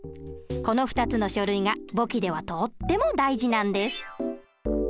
この２つの書類が簿記ではとっても大事なんです。